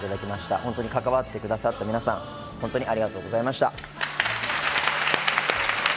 本当に関わってくださった皆さん、ありがとうございました。